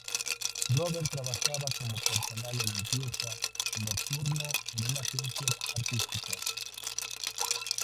Robert trabaja como personal de limpieza nocturno en una agencia artística.